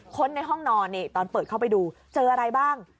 ในห้องนอนนี่ตอนเปิดเข้าไปดูเจออะไรบ้าง